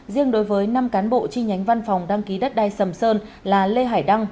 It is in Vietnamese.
riêng đối với năm cán bộ chi nhánh văn phòng đăng ký đất đai sầm sơn là lê hải đăng